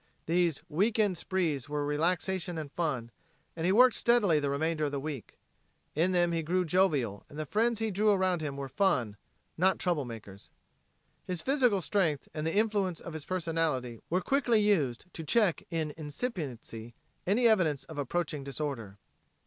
These week end sprees were relaxation and fun, and he worked steadily the remainder of the week. In them he grew jovial and the friends he drew around him were fun, not trouble, makers. His physical strength and the influence of his personality were quickly used to check in incipiency any evidence of approaching disorder.